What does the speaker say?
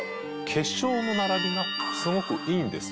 結晶の並びがすごくいいんですね。